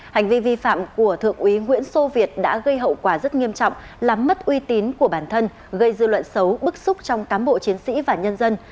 hành vi vi phạm của thượng úy nguyễn sô việt đã gây hậu quả rất nghiêm trọng làm mất uy tín của bản thân gây dư luận xấu bức xúc trong cám bộ chiến sĩ và nhân dân